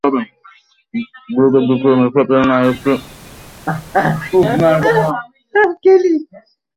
গ্রুপের দ্বিতীয় ম্যাচে পেলেন আরেকটি অনির্বচনীয় স্বাদ, দেশের জার্সি গায়ে শততম ম্যাচ।